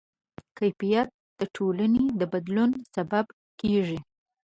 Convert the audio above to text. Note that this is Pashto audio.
د تعلیم کیفیت د ټولنې د بدلون سبب کېږي.